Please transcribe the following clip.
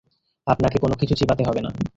আপনাকে কোনোকিছু চিবাতে হবে না।